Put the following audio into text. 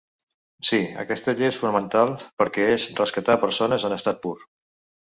Sí, aquesta llei és fonamental perquè és rescatar persones en estat pur.